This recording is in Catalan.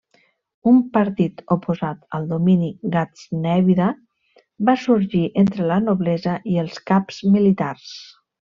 Un partit oposat al domini gaznèvida va sorgir entre la noblesa i els caps militars.